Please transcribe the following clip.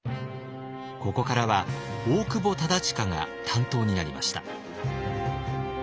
ここからは大久保忠隣が担当になりました。